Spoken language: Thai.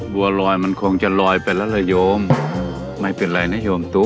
บัวลอยมันคงจะลอยไปแล้วระโยมไม่เป็นไรนะโยมตุ๊